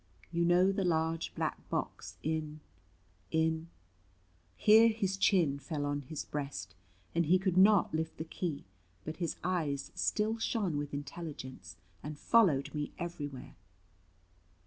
You know the large black box in in " Here his chin fell on his breast, and he could not lift the key, but his eyes still shone with intelligence, and followed me everywhere.